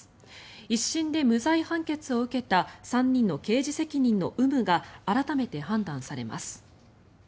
１審で無罪判決を受けた３人の刑事責任の有無が改めて判断されます。